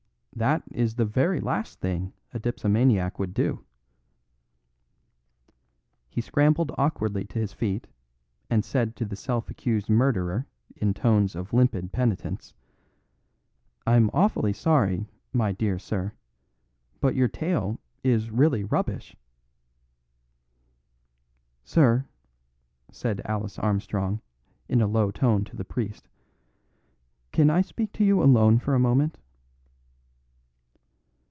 That is the very last thing a dipsomaniac would do." He scrambled awkwardly to his feet, and said to the self accused murderer in tones of limpid penitence: "I'm awfully sorry, my dear sir, but your tale is really rubbish." "Sir," said Alice Armstrong in a low tone to the priest, "can I speak to you alone for a moment?"